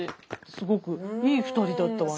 すごくいい２人だったわね。